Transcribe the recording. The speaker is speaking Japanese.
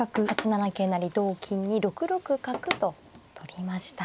８七桂成同金に６六角と取りました。